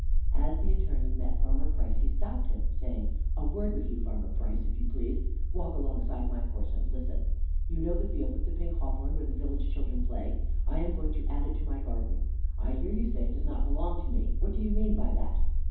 As the Attorney met Farmer Price he stopped him, saying, "A word with you, Farmer Price, if you please. Walk alongside my horse, and listen. You know the field with the pink hawthorn where the village children play? I am going to add it to my garden. I hear you say it does not belong to me. What do you mean by that?"